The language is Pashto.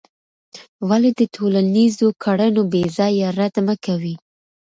ولې د ټولنیزو کړنو بېځایه رد مه کوې؟